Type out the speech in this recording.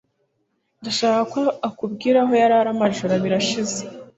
Ndashaka ko akubwira aho yari ari amajoro abiri ashize